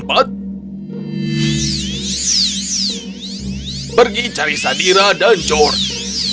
pergi cari sadira dan george